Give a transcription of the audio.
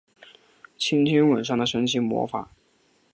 轻轻吻上的神奇魔法